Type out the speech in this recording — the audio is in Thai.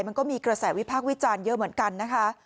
มันก็มีกระแสวิพากษ์วิจารณ์เยอะเหมือนกันนะคะ